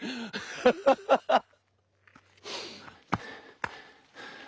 ハハハハッ。